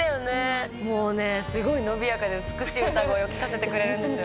もうねすごい伸びやかで美しい歌声を聞かせてくれるんですよ。